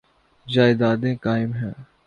جائیدادیں قائم ہیں۔